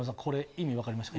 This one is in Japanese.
意味分かりました？